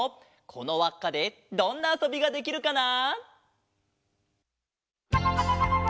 このわっかでどんなあそびができるかな！？